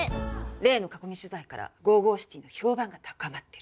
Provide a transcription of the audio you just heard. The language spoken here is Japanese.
例の囲み取材からＧＯＧＯＣＩＴＹの評判が高まってる。